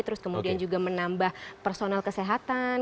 terus kemudian juga menambah personal kesehatan